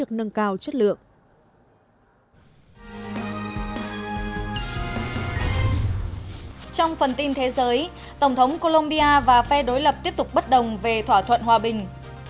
trong phần tin thế giới tổng thống colombia và phe đối lập tiếp tục bất đồng về thỏa thuận hòa bình